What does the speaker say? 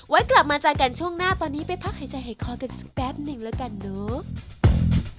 กลับมาเจอกันช่วงหน้าตอนนี้ไปพักหายใจหายคอกันสักแป๊บหนึ่งแล้วกันเนอะ